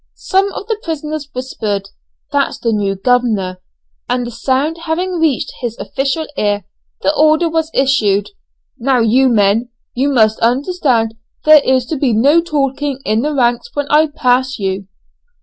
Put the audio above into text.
Some of the prisoners whispered, "That's the new governor," and the sound having reached his official ear, the order was issued "Now you men, you must understand there is to be no talking in the ranks when I pass you."